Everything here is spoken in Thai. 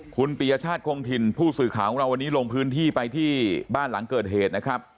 คุณปียชาติคงถิ่นผู้สื่อข่าวของเราวันนี้ลงพื้นที่ไปที่บ้านหลังเกิดเหตุนะครับ